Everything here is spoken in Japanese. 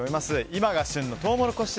今が旬のトウモロコシ